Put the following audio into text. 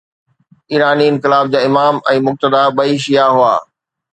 ايراني انقلاب جا امام ۽ مقتدا ٻئي شيعه هئا.